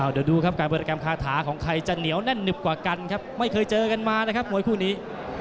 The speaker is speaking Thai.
เดี๋ยวดูครับการโปรแกรมคาถาของใครจะเหนียวแน่นหนึบกว่ากันครับไม่เคยเจอกันมานะครับมวยคู่นี้